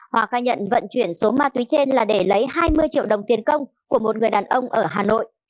hòa khai nhận vận chuyển số ma túy trên là để lấy hai mươi triệu đồng tiền công của một người đàn ông ở hà nội